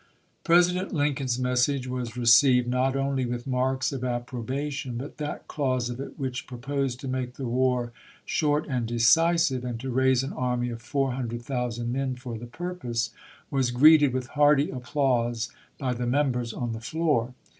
President Lincoln's message was received not only with marks of approbation, but that clause of it which proposed to make the war short and decisive, and to raise an army of foui* hundred thousand men for the purpose, was greeted with hearty applause by the Members on the floor.